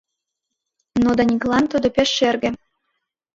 Но Даниклан тудо пеш шерге.